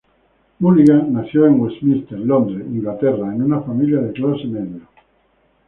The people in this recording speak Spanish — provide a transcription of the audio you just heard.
Mulligan nació en Westminster, Londres, Inglaterra, en una familia de clase media.